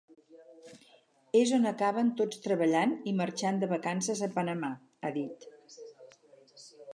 És on acaben tots treballant i marxant de vacances a Panamà, ha dit.